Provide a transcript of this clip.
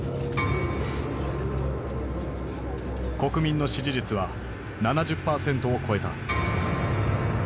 国民の支持率は７０％を超えた。